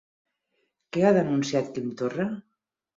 Què ha denunciat Quim Torra?